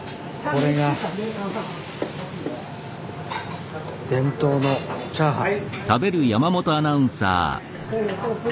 これが伝統のチャーハン。